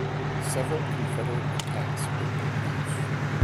Several Confederate attacks were beaten off.